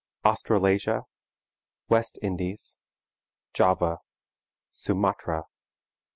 Australasia. West Indies. Java. Sumatra.